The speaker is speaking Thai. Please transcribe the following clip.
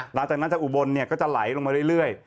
หลังจากนั้นจะอุบลก็จะไหลลงมาเรื่อย